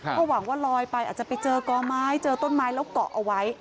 ก็หวังว่าลอยไปอาจจะไปเจอกอไม้เจอต้นไม้แล้วเกาะเอาไว้